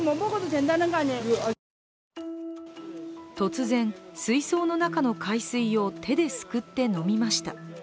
突然、水槽の中の海水を手ですくって飲みました。